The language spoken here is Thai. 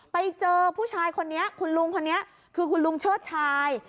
ไปเจอผู้ชายคนนี้คุณลุงคนนี้คือคุณลุงเชิดชาย